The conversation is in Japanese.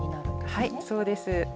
はいそうです。